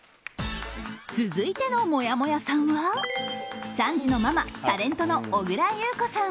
続いてのもやもやさんは３児のママタレントの小倉優子さん。